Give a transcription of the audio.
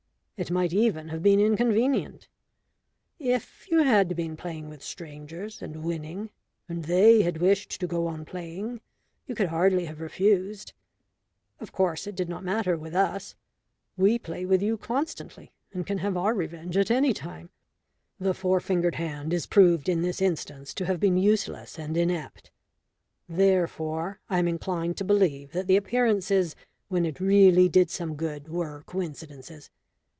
It might even have been inconvenient. If you had been playing with strangers and winning, and they had wished to go on playing, you could hardly have refused. Of course, it did not matter with us we play with you constantly, and can have our revenge at any time. The four fingered hand is proved in this instance to have been useless and inept. Therefore, I am inclined to believe that the appearances when it really did some good were coincidences.